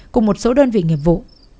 cùng một số đơn vị nghiệp vụ